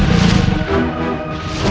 saya akan keluar